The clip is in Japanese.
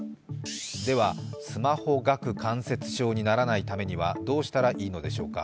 では、スマホ顎関節症にならないためにはどうしたらいいのでしょうか。